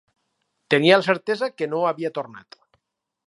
Tenia la certesa que no havia tornat...